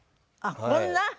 あっこんな？